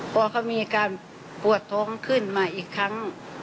พอเขามีอาการปวดท้องขึ้นมาอีกครั้ง